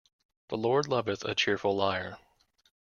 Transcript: The Lord loveth a cheerful liar.